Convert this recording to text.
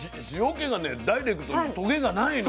気がねダイレクトにトゲがないの。